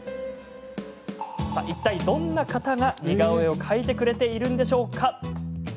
いったい、どんな方が似顔絵を描いてくれているんでしょうか？